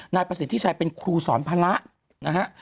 นายประสิทธิชัยเป็นครูสอนภาระนะฮะ